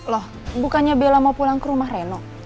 loh bukannya bella mau pulang ke rumah reno